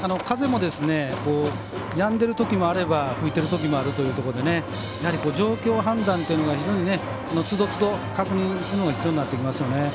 風もやんでるときもあれば吹いているときもあるというところでやはり状況判断というのが非常につどつど、確認するのが必要になってきますよね。